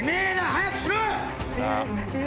早くしろ！